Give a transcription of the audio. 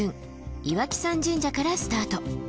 岩木山神社からスタート。